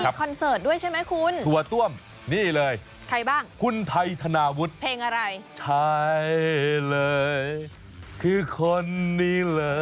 ใช่ไหมคุณสวต้วมนี่เลยใครบ้างคุณไทยทนาวุทธเพลงอะไรใช่เลยคือคนนี้เลย